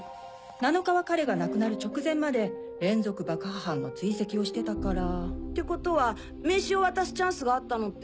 ７日は彼が亡くなる直前まで連続爆破犯の追跡をしてたから。ってことは名刺を渡すチャンスがあったのって。